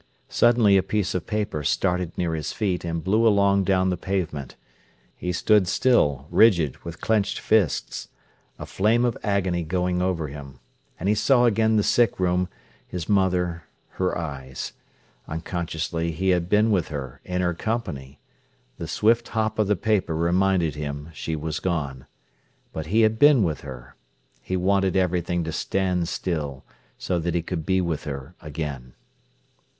Suddenly a piece of paper started near his feet and blew along down the pavement. He stood still, rigid, with clenched fists, a flame of agony going over him. And he saw again the sick room, his mother, her eyes. Unconsciously he had been with her, in her company. The swift hop of the paper reminded him she was gone. But he had been with her. He wanted everything to stand still, so that he could be with her again.